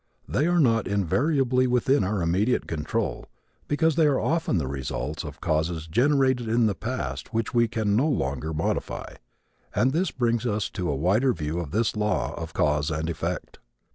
They are not invariably within our immediate control because they are often the results of causes generated in the past which we can no longer modify. And this brings us to a wider view of this law of cause and effect.